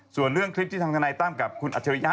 ส่วนเรื่องคลิปที่ทำดำนายตามกับคุณอัชฎิญะ